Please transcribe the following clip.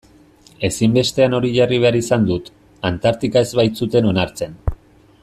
Ezinbestean hori jarri behar izan dut, Antartika ez baitzuten onartzen.